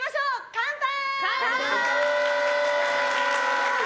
乾杯！